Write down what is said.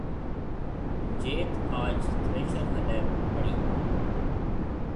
جيٿ آج ٿريشر هليَ پڙِي۔